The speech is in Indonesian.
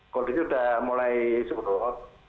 kondisi sudah mulai suruh